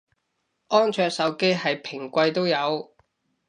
安卓手機係平貴都有